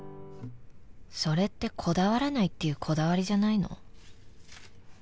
それってこだわらないっていうこだわりじゃないの？